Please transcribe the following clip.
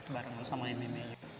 bareng lu sama mma juga